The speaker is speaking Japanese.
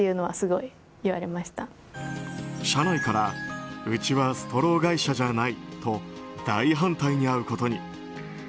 社内からうちはストロー会社じゃないと大反対に遭うことに。